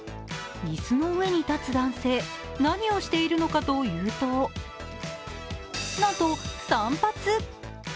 椅子の上に立つ男性、何をしているのかというと、なんと散髪。